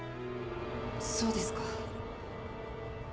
そうですか。